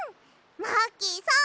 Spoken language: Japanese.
マーキーさん